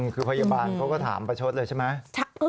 คือพยาบาลเขาก็ถามประชดเลยใช่ไหม